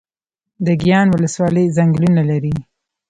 د ګیان ولسوالۍ ځنګلونه لري